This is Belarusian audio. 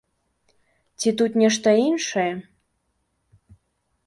Ці тут нешта іншае?